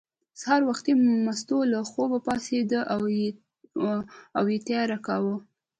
سهار وختي مستو له خوبه پاڅېده او یې تیاری کاوه.